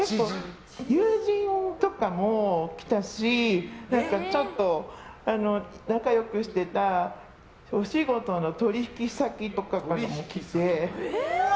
友人とかも来たしちょっと仲良くしてたお仕事の取引先の人とか。